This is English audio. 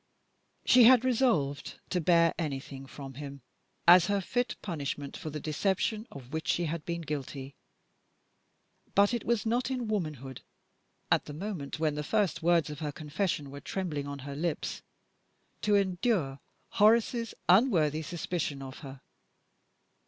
She had resolved to bear anything from him as her fit punishment for the deception of which she had been guilty. But it was not in womanhood (at the moment when the first words of her confession were trembling on her lips) to endure Horace's unworthy suspicion of her.